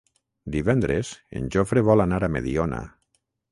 Divendres en Jofre vol anar a Mediona.